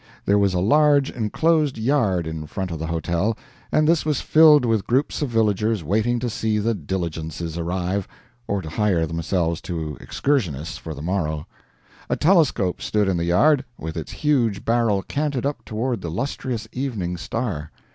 There was a large enclosed yard in front of the hotel, and this was filled with groups of villagers waiting to see the diligences arrive, or to hire themselves to excursionists for the morrow. A telescope stood in the yard, with its huge barrel canted up toward the lustrous evening star.